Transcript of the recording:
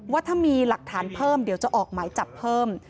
ว่าถ้ามีหลักฐานเพิ่มเดี๋ยวจะออกหมายจับเพิ่ม